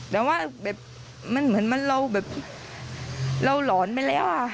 แต่ว่าแบบมันเหมือนเราแบบเราหลอนไปแล้วค่ะ